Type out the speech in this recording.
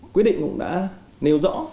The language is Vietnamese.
quy định cũng đã nêu rõ